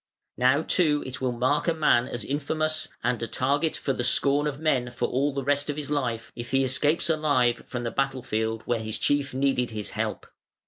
Now too it will mark a man as infamous, and a target for the scorn of men for all the rest of his life, if he escapes alive from the battle field where his chief needed his help.